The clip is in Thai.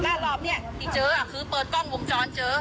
ร่านรอบเนี้ยที่เจออ่ะคือเปิดกล้องวงจรเจอ